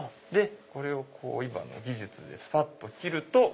これをこう今の技術でスパっと切ると。